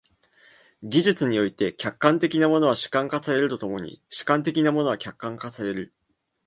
技術において、客観的なものは主観化されると共に主観的なものは客観化される。